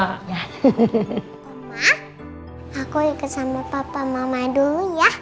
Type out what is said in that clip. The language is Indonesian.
mama aku ikut sama papa mama dulu ya